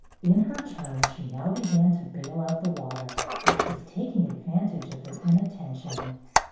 In her turn she now began to bail out the water, which was taking advantage of their inattention.